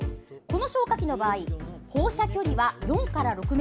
この消火器の場合放射距離は４から６ｍ。